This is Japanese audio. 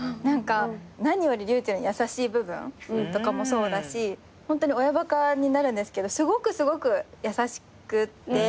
何よりｒｙｕｃｈｅｌｌの優しい部分とかもそうだし親バカになるんですけどすごくすごく優しくって。